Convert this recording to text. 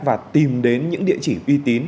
và tìm đến những địa chỉ uy tín